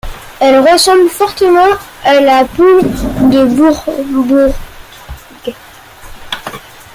Elle ressemble fortement à la poule de Bourbourg.